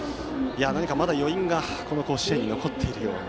何かまだ余韻が甲子園に残っているような。